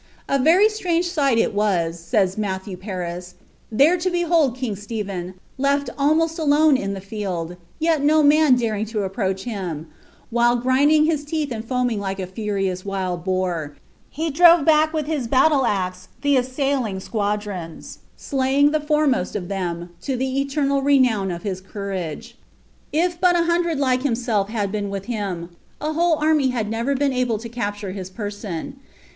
".A very strange sigM it was." says Matthew Paris, there to behold king Stephen, Icf^ alinoei* ■lone in the lield, yet no man daring lo approach him, while, grimlint his teeth and foaming like a furious wild boar, he ilrove bark with hu fcalll<^ axe the assailing squadrons, slayitig the foremost of them, to the eternal renown of his courage. If but a hundred like himself had bten with him, a whole army had never been able lo capiirre his person ; y«.